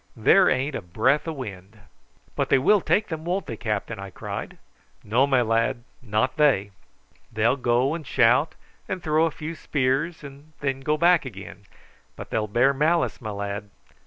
There ain't a breath o' wind." "But they will take them, won't they, captain?" I cried. "No, my lad, not they. They'll go and shout and throw a few spears, and then go back again; but they'll bear malice, my lad.